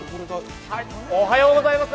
おはようございます。